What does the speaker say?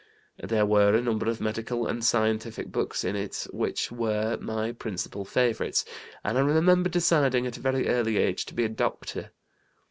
There were a number of medical and scientific books in it, which were my principal favorites, and I remember deciding at a very early age to be a doctor.